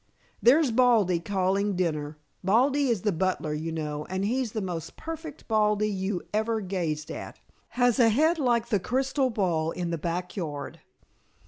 There's Baldy calling dinner. Baldy is the butler, you know, and he's the most perfect baldy you ever gazed at. Has a head like the crystal ball in the back yard."